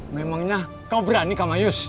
memangnya kau berani kamayus